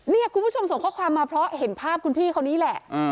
นี่คุณผู้ชมส่งข้อความมาเพราะเห็นภาพคุณพี่เขานี่แหละ